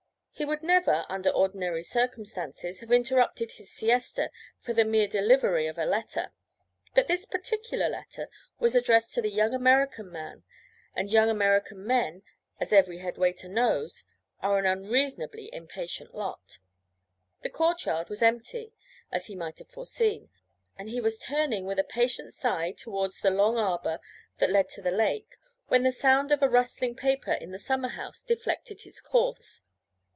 He would never, under ordinary circumstances, have interrupted his siesta for the mere delivery of a letter; but this particular letter was addressed to the young American man, and young American men, as every head waiter knows, are an unreasonably impatient lot. The courtyard was empty, as he might have foreseen, and he was turning with a patient sigh towards the long arbour that led to the lake, when the sound of a rustling paper in the summer house deflected his course.